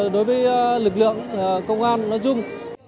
đối với lực lượng công an nói chung